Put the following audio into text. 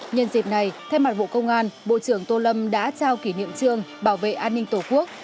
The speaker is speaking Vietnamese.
nhân dịp này thay mặt bộ công an bộ trưởng tô lâm đã trao kỷ niệm trương bảo vệ an ninh tổ quốc